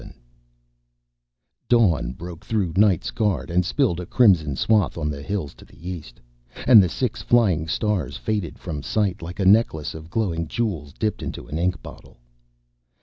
VII Dawn broke through night's guard and spilled a crimson swath on the hills to the East, and the Six Flying Stars faded from sight like a necklace of glowing jewels dipped into an ink bottle.